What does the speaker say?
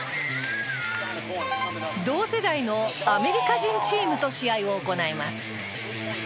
同世代のアメリカ人チームと試合を行います。